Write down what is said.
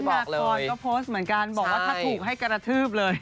นาคอนก็โพสต์เหมือนกันบอกว่าถ้าถูกให้กระทืบเลย